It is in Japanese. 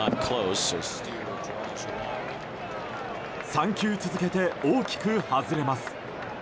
３球続けて、大きく外れます。